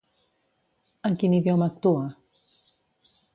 En quin idioma actua?